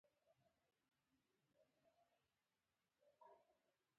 د خاورې سیلان حالت هم ټاکل کیږي